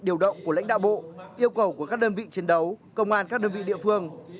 điều động của lãnh đạo bộ yêu cầu của các đơn vị chiến đấu công an các đơn vị địa phương